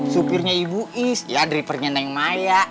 supirnya ibu is ya dripernya neng maya